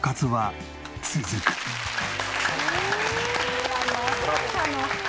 いやまさかの。